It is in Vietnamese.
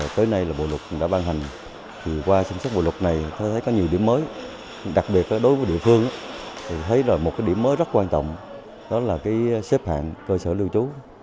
tới nay bộ luật đã ban hành qua sản xuất bộ luật này có nhiều điểm mới đặc biệt đối với địa phương thấy một điểm mới rất quan trọng đó là xếp hạng cơ sở lưu trú